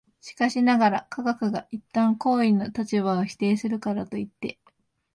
しかしながら、科学が一旦行為の立場を否定するからといって、